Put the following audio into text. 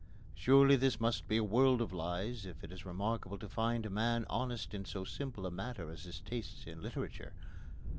Surely this must be a world of lies if it is remarkable to find a man honest in so simple a matter as his tastes in literature.